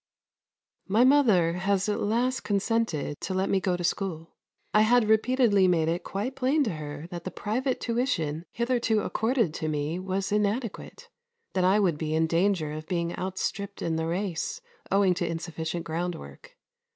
My mother has at last consented to let me go to school. I had repeatedly made it quite plain to her that the private tuition hitherto accorded to me was inadequate; that I would be in danger of being outstripped in the race owing to insufficient groundwork.